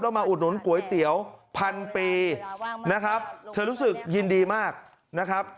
มาอุดหนุนก๋วยเตี๋ยวพันปีนะครับเธอรู้สึกยินดีมากนะครับ